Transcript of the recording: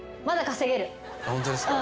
ホントですか？